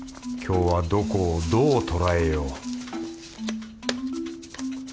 今日はどこをどうとらえよう